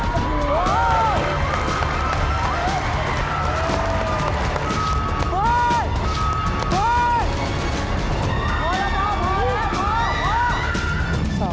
เผาแล้วพ่อ